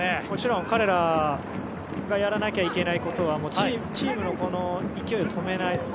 もちろん、彼らがやらなきゃいけないことはチームの勢いを止めない。